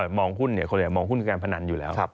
คนส่วนใหญ่มองหุ้นเป็นการพนันอยู่แล้ว